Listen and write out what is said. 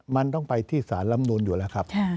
มันต้องไปที่สารลำนูนอยู่แล้วครับ